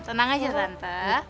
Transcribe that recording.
tenang aja tante